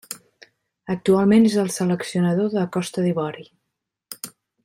Actualment és el seleccionador de Costa d'Ivori.